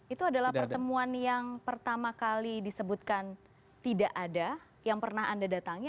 itu adalah pertemuan yang pertama kali disebutkan tidak ada yang pernah anda datangi